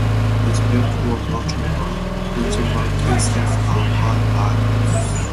Except for Motu One, all the Marquesas are high islands.